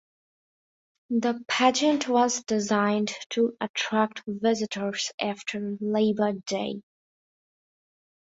The pageant was designed to attract visitors after Labor Day.